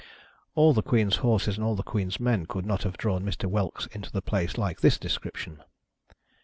All the queen's horses and all the queen's men could not have drawn Mr. Whelks iato the place like this description.